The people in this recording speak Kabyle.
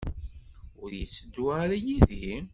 Ur yetteddu ara yid-i?